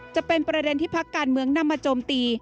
จะเป็นประเด็นที่พักการเมืองนำมาโจมตี